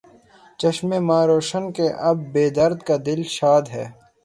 چشمِ ما روشن، کہ اس بے درد کا دل شاد ہے